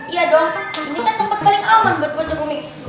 iya dong ini kan tempat paling aman buat baca komik